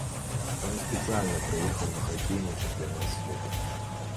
Ён спецыяльна прыехаў на хакейны чэмпіянат свету.